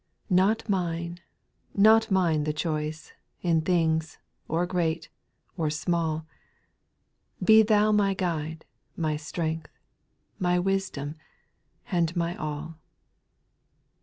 7. Not mine, not mine the choice, In things, or great, or small ; Be Thou my Guide, my Strength, My Wisdom, and my All.